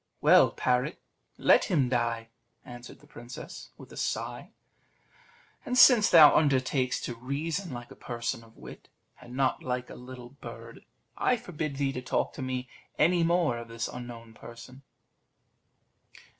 "Well, parrot, let him die," answered the princess, with a sigh; "and since thou undertakest to reason like a person of wit, and not like a little bird, I forbid thee to talk to me any more of this unknown person."